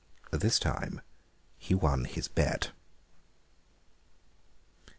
This time he won his bet.